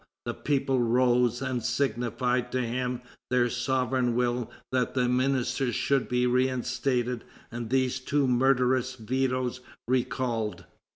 the people rose and signified to him their sovereign will that the ministers should be reinstated and these two murderous vetoes recalled....